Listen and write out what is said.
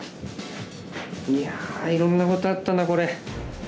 いやいろんなことあったなこれ。